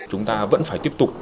chúng ta vẫn phải tiếp tục